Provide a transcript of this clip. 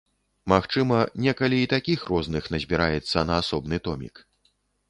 Магчыма, некалі і такіх розных назбіраецца на асобны томік.